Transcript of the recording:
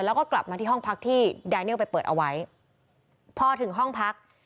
แล้วก็กลับมาที่ห้องพักที่ไดเนียลไปเปิดเอาไว้พอถึงห้องพัก